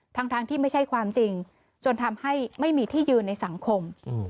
ทั้งที่ไม่ใช่ความจริงจนทำให้ไม่มีที่ยืนในสังคม